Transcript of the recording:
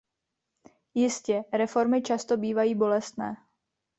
Jistě, reformy často bývají bolestné.